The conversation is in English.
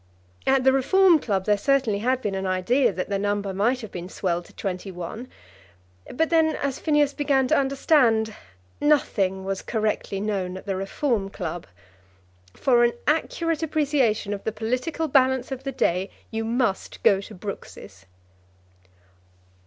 At the Reform Club there certainly had been an idea that the number might have been swelled to twenty one; but then, as Phineas began to understand, nothing was correctly known at the Reform Club. For an accurate appreciation of the political balance of the day, you must go to Brooks's.